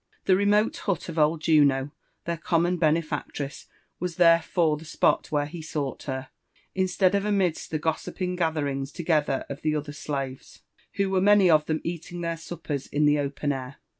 The re * mote hut of old Juno, their common benefoetress, was thwefore the spot where he sought her, instead of amidst the gossiping gaUieringa together of the slaves, who w^e many of them eating their suppers in the open air.